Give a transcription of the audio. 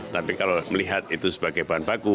tapi kalau melihat itu sebagai bahan baku